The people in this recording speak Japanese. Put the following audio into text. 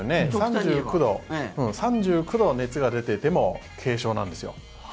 ３９度熱が出ていても軽症なんですよ。